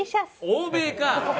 欧米か！